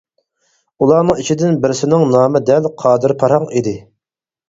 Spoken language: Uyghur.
ئۇلارنىڭ ئىچىدىن بىرسىنىڭ نامى دەل «قادىر پاراڭ» ئىدى.